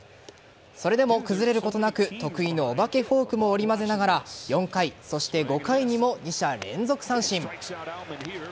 それでも崩れることなく得意のお化けフォークも織り交ぜながら４回、そして５回にも２者連続三振。